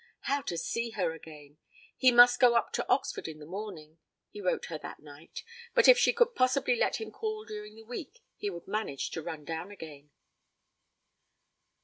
How to see her again? He must go up to Oxford in the morning, he wrote her that night, but if she could possibly let him call during the week he would manage to run down again.